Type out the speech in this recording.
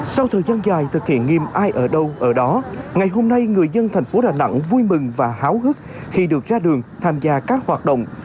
sau thời gian dài thực hiện nghiêm ai ở đâu ở đó ngày hôm nay người dân thành phố đà nẵng vui mừng và háo hức khi được ra đường tham gia các hoạt động